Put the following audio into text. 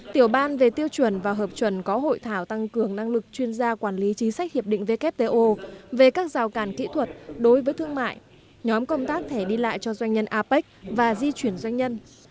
tiểu ban về tiêu chuẩn và hợp chuẩn có hội thảo tăng cường năng lực chuyên gia quản lý chính sách hiệp định wto về các rào càn kỹ thuật đối với thương mại nhóm công tác thẻ đi lại cho doanh nhân apec và di chuyển doanh nhân